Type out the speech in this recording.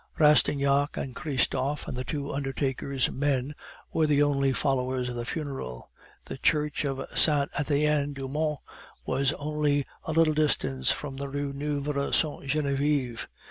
Rastignac and Christophe and the two undertaker's men were the only followers of the funeral. The Church of Saint Etienne du Mont was only a little distance from the Rue Nueve Sainte Genevieve.